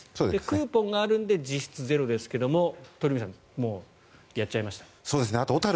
クーポンがあるので実質ゼロですが鳥海さんもうやっちゃいました。